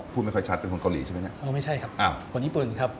พูดไม่ค่อยชัดเป็นคนเกาหลีใช่ไหมเนี่ยเออไม่ใช่ครับอ่าคนญี่ปุ่นครับ